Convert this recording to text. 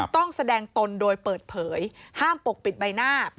ต้องแสดงตนโดยเปิดเผยห้ามปกปิดใบหน้า